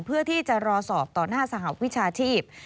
เพื่อที่จะรอสอบต่อหน้าสหวิชาชีพ